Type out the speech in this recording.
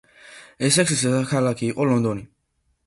ესექსის დედაქალაქი იყო ლონდონი.